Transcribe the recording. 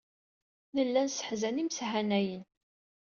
Nella nesseḥzan imeshanayen.